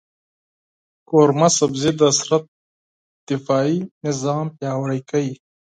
قورمه سبزي د بدن دفاعي سیستم پیاوړی کوي.